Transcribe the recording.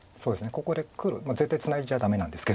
ここで黒絶対ツナいじゃダメなんですけど。